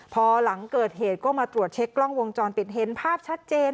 พอหลังเกิดเหตุก็มาตรวจเช็คกล้องวงจรปิดเห็นภาพชัดเจน